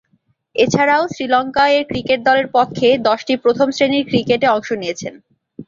এছাড়াও শ্রীলঙ্কা এ ক্রিকেট দলের পক্ষে দশটি প্রথম-শ্রেণীর ক্রিকেটে অংশ নিয়েছেন।